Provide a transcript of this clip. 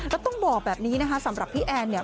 แล้วต้องบอกแบบนี้นะคะสำหรับพี่แอนเนี่ย